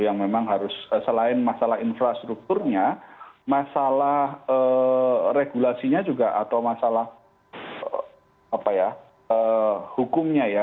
yang memang harus selain masalah infrastrukturnya masalah regulasinya juga atau masalah hukumnya ya